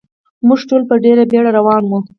موږ ټول په ډېره بېړه روان و.